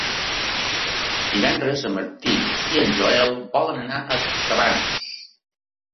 Divendres en Martí i en Joel volen anar a Cabanes.